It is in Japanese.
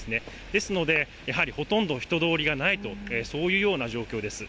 ですので、やはりほとんど人通りがないと、そういうような状況です。